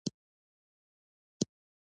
لعل د افغانانو ژوند اغېزمن کوي.